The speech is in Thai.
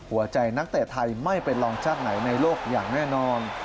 หัวใจนักเตะไทยไม่เป็นรองชาติไหนในโลกอย่างแน่นอน